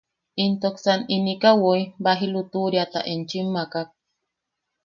Intuksan inika woi, baji lutuʼuriata enchim makak.